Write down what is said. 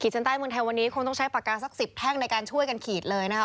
ชั้นใต้เมืองไทยวันนี้คงต้องใช้ปากกาสัก๑๐แท่งในการช่วยกันขีดเลยนะครับ